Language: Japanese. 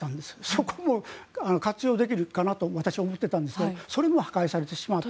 そこも活用できるかなと私は思っていたんですがそれも破壊されてしまって。